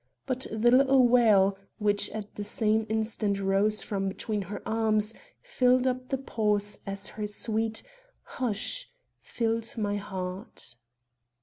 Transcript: But the little wail, which at the same instant rose from between her arms, filled up the pause, as her sweet "Hush!" filled my heart.